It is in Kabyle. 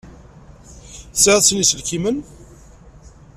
Tesεiḍ sin iselkimen?